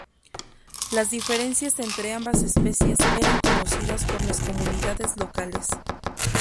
Las diferencias entre ambas especies eran conocidas por las comunidades locales.